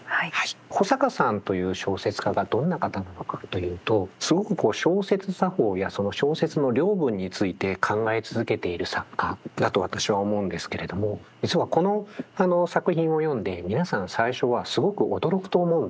保坂さんという小説家がどんな方なのかというとすごくこう小説作法やその小説の領分について考え続けている作家だと私は思うんですけれども実はこの作品を読んで皆さん最初はすごく驚くと思うんですよ。